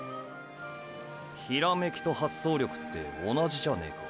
「ヒラメキ」と「発想力」って同じじゃねーか。